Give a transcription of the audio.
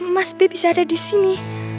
mas bebis ada di sini